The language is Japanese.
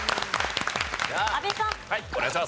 阿部さん。